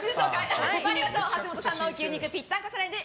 橋本さんの牛肉ぴったんこチャレンジ